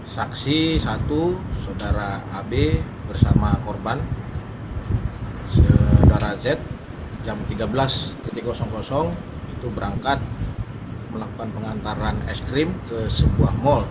saksi satu saudara ab bersama korban saudara z jam tiga belas itu berangkat melakukan pengantaran es krim ke sebuah mal